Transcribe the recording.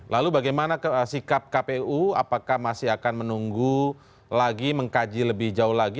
lalu bagaimana sikap kpu apakah masih akan menunggu lagi mengkaji lebih jauh lagi